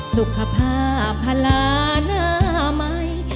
สุขภาพพลาณไม้